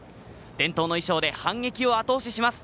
伝統の衣装で反撃をあと押しします。